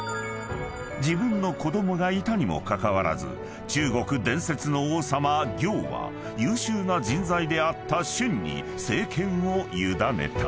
［自分の子供がいたにもかかわらず中国伝説の王様堯は優秀な人材であった舜に政権を委ねた］